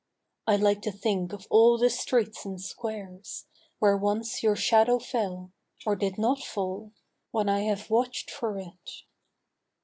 I like to think of all the streets and squares AVhere once your shadow fell, or did not fall, When I have watch'd for it